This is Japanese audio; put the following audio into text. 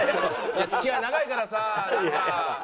付き合い長いからさなんか。